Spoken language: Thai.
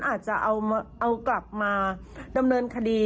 อาจจะเอากลับมาดำเนินคดี